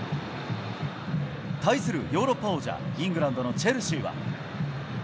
対するヨーロッパ王者イングランドのチェルシーは。